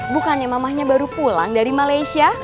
bukannya mamahnya baru pulang dari malaysia